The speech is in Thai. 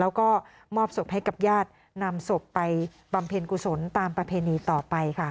แล้วก็มอบศพให้กับญาตินำศพไปบำเพ็ญกุศลตามประเพณีต่อไปค่ะ